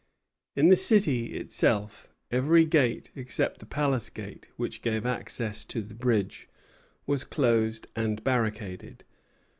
In the city itself every gate, except the Palace Gate, which gave access to the bridge, was closed and barricaded.